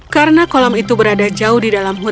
karena kolam itu berada jauh di dalam hutan